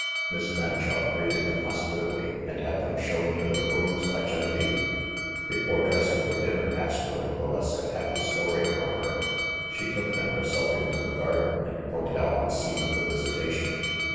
Miss Fanshawe greeted them hospitably and had them shown to their rooms by Genevieve. Before dressing for dinner Astro and Valeska had the story from her. She took them herself into the garden and pointed out the scene of the visitation.